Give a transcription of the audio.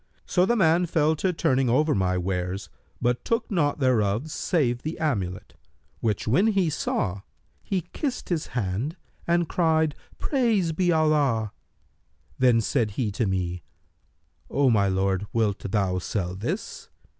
So the man fell to turning over my wares, but took nought thereof save the amulet, which when he saw, he kissed his hand and cried, 'Praised be Allah!' Then said he to me, 'O my lord, wilt thou sell this?'